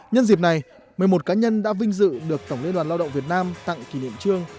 nhân dịp này một mươi một cá nhân đã vinh dự được tổng liên đoàn lao động việt nam tặng kỷ niệm trương